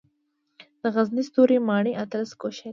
د غزني ستوري ماڼۍ اتلس ګوشې وه